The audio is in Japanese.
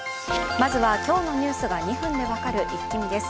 まずは、今日のニュースが２分で分かるイッキ見です。